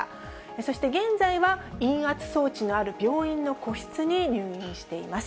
そして現在は、陰圧装置のある病院の個室に入院しています。